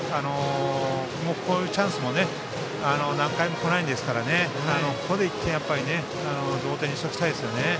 こういうチャンスは何回もこないですからここで１点を取って同点にしておきたいですね。